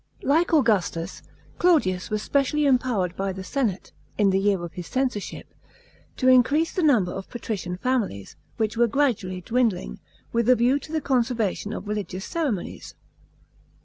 Like Augustus, Claudius was specially empowered by the senate (in the year of his censorship) to increase the number of patrician families, which were gradually dwindling, with a view to the conservation of religious ceremonies.